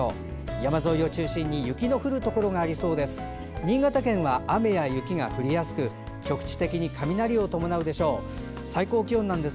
山沿いを中心に雪の降るところがありそうです。